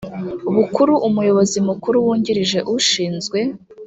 bukuru umuyobozi mukuru wungirije ushinzwe